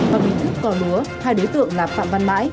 vào hình thức cò lúa hai đối tượng là phạm văn mãi